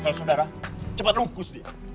kalau sudah cepat lukus dia